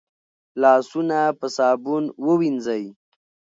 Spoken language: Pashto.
لاسونه په صابون ووينځئ